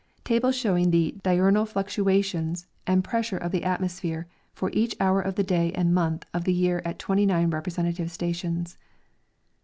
Tables showing the diurnal fluctuations and pressure of the atmosphere for each hour of the day and month of the year at 29 representative stations.